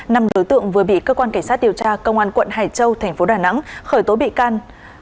năm đối tượng vừa bị cơ quan cảnh sát điều tra công an quận hải châu thành phố đà nẵng khởi tố bị can